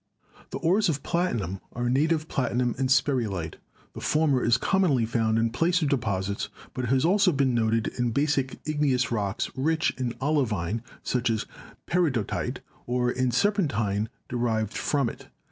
The ores of Platinum are native platinum and sperry lite. The former is commonly found in placer deposits, but it has also been noted in basic igneous rocks rich in olivine, such as peridotite, or in serpentine derived from it.